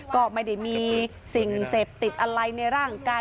ก็ไม่ได้มีสิ่งเสพติดอะไรในร่างกาย